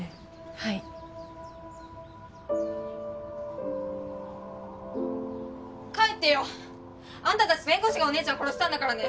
はい帰ってよあんた達弁護士がお姉ちゃんを殺したんだからね！